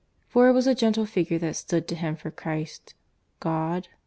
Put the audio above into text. For it was a gentle Figure that stood to him for Christ God?